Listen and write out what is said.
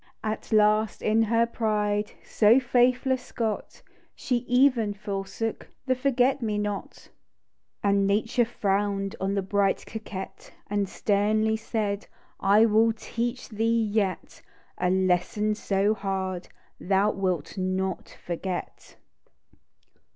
At last, in her pride, She so faithless got. She even forsook The forgot me not. THE DEW DROT 75 And Nature frown'd On the bright coquette, And sternly said —" I null teach thee yet, A lesson so hard Thou wilt not forget